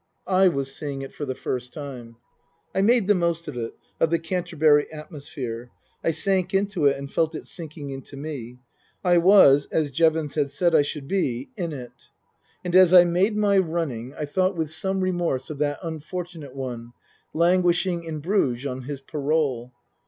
I was seeing it for the first time. I made the most of it, of the Canterbury atmosphere. I sank into it and felt it sinking into me. I was, as Jevons had said I should be, " in it." And, as I made my running, I thought with some Book I : My Book 105 remorse of that unfortunate one, languishing in Bruges on his parole.